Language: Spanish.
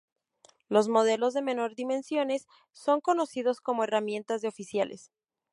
Los modelos de menor dimensiones son conocidos como "herramientas de oficiales".